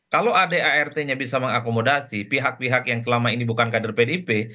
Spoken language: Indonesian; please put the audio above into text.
kalau adart nya bisa mengakomodasi pihak pihak yang selama ini bukan kader pdip